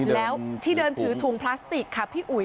แล้วที่เดินถือถุงพลาสติกค่ะพี่อุ๋ย